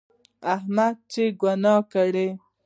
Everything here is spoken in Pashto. احمد چې ګناه کړي،